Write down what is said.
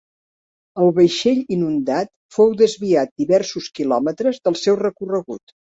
El vaixell inundat fou desviat diversos kilòmetres del seu recorregut.